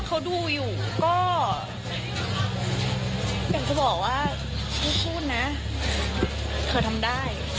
เมยุค๓๖แล้วเนอะ